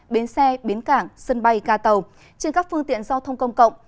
bến xe bến cảng sân bay ca tàu trên các phương tiện giao thông công cộng